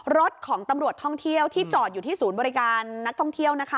รถของตำรวจท่องเที่ยวที่จอดอยู่ที่ศูนย์บริการนักท่องเที่ยวนะคะ